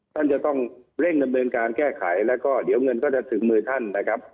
ท่านจะต้องเร่งดำเนินการแก้ไขแล้วก็เดี๋ยวเงินก็จะถึงมือท่านนะครับ